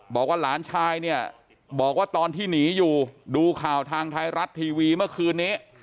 บอกว่าหลานชายเนี่ยบอกว่าตอนที่หนีอยู่ดูข่าวทางไทยรัฐทีวีเมื่อคืนนี้